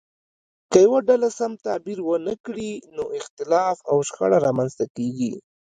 که یوه ډله سم تعبیر ونه کړي نو اختلاف او شخړه رامنځته کیږي.